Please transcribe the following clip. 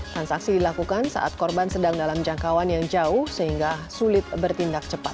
transaksi dilakukan saat korban sedang dalam jangkauan yang jauh sehingga sulit bertindak cepat